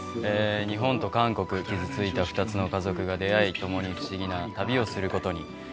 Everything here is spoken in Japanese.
日本と韓国傷ついた２つの家族が出会い共に不思議な旅をする事に。